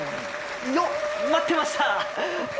よっ待ってました！